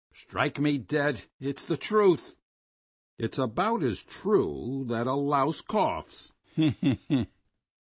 "Strike me dead, it's the truth!..." "It's about as true as that a louse coughs."